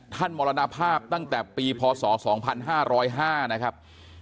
มรณภาพตั้งแต่ปีพศ๒๕๐๕นะครับ